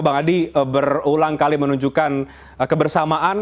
bang adi berulang kali menunjukkan kebersamaan